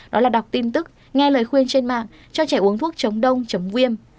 đó là đọc tin tức nghe lời khuyên trên mạng cho trẻ uống thuốc chống đông viêm